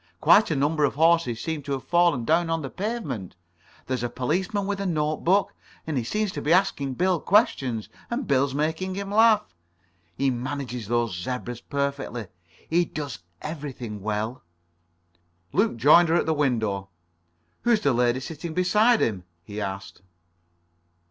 Quite a number of horses seem to have fallen down on the pavement. There's a policeman with a note book. He seems to be asking Bill questions. And Bill's making him laugh. He manages those zebras perfectly. He does everything well." Luke had joined her at the window. "Who's the lady sitting beside him?" he asked.